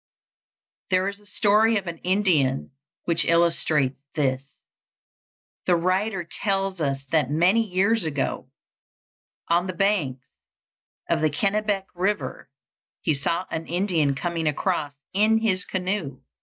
There is a story of an Indian which illustrates this. The writer tells us that many years ago, on the banks of the Kennebec River, he saw an Indian coming across in his canoe.